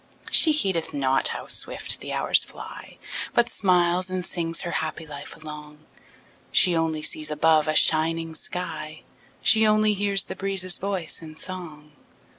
She heedeth not how swift the hours fly, But smiles and sings her happy life along; She only sees above a shining sky; She only hears the breezes' voice in song.